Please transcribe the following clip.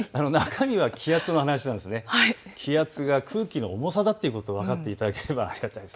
気圧の話、気圧が空気の重さだっていうこと分かっていただければありがたいです。